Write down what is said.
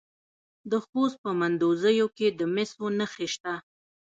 د خوست په مندوزیو کې د مسو نښې شته.